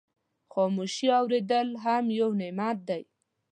خاموشي اورېدل هم یو نعمت دی.